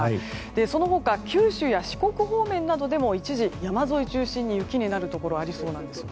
その他、九州や四国方面などでも一時山沿いを中心に雪になるところありそうなんです。